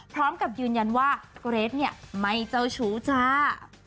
พร้อมกับยืนยันว่าเกรทเนี่ยไม่เจ้าชู้จ้า